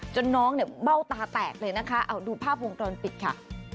จนน้องเบ้าตาแตกเลยนะคะดูภาพวงตอนปิดค่ะ